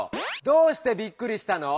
どうしてびっくりしたの？